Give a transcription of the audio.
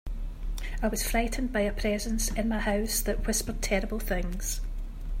I was frightened by a presence in my house that whispered terrible things.